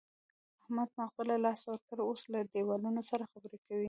احمد ماغزه له لاسه ورکړي، اوس له دېوالونو سره خبرې کوي.